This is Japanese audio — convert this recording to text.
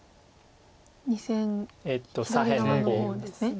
２線左側の方ですね。